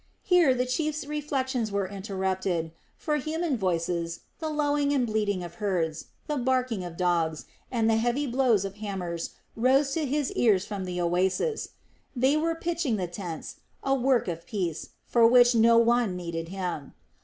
Here the chief's reflections were interrupted; for human voices, the lowing and bleating of herds, the barking of dogs, and the heavy blows of hammers rose to his ears from the oasis. They were pitching the tents, a work of peace, for which no one needed him.